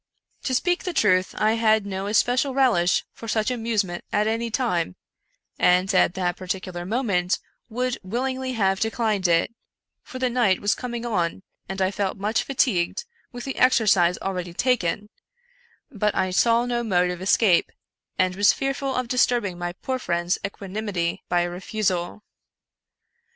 To speak the trjih, I had no especial relish for such 140 Edzar Allan Poe 'is amusement at any time, and, at that particular moment, would willingly have declined it ; for the night was coming on, and I felt much fatigued with the exercise already taken ; but I saw no mode of escape, and was fearful of disturbing my poor friend's equanimity by a refusal.